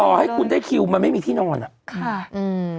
ต่อที่ให้คุณได้คิวมันไม่มีที่นอนค่ะค่ะ